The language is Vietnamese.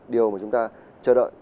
điều mà chúng ta chờ đợi